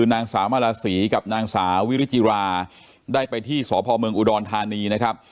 นางสาวมาราศรีกับนางสาววิริจิราได้ไปที่สพเมืองอุดรธานีนะครับ